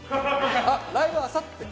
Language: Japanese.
あっライブあさって。